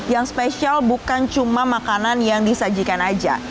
yang spesial bukan cuma makanan yang disajikan aja